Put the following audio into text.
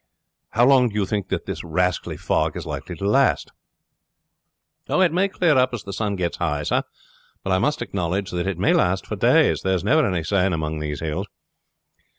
"How long do you think that this rascally fog is likely to last?" "It may clear up as the sun gets high, sir, but I must acknowledge that it may last for days. There is never any saying among these hills."